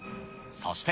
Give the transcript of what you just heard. そして。